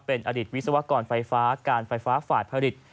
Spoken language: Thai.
เป็นอดีตวิศวกรไฟฟ้าการไฟฟ้าฝ่ายผลิต